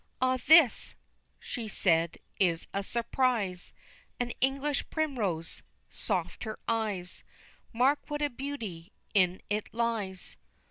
"Ah! this," she said, "is a surprise, An English primrose" soft her eyes, "Mark what a beauty in it lies!"